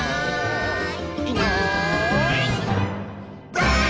ばあっ！